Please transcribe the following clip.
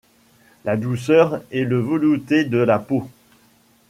La douceur et le velouté de la peau.